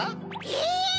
え